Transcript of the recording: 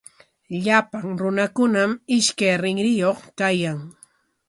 Llapan runakunami ishkay rinriyuq kayan.